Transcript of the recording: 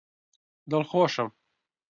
دڵخۆشم!